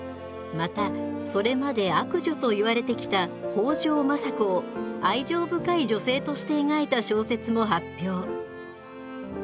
またそれまで悪女といわれてきた北条政子を愛情深い女性として描いた小説も発表。